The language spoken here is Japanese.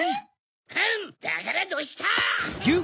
フンっだからどうした！